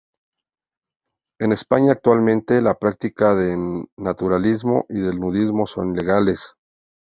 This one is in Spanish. En España actualmente la práctica del naturismo y del nudismo son legales.